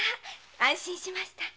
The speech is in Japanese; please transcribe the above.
安心しました。